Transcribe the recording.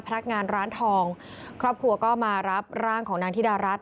พนักงานร้านทองครอบครัวก็มารับร่างของนางธิดารัฐ